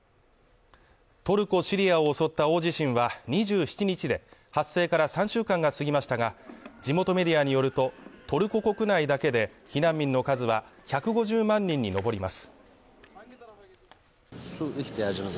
トルコ・シリアを襲った大地震は２７日で発生から３週間が過ぎましたが、地元メディアによると、トルコ国内だけで避難民の数は１５０万人に上ります。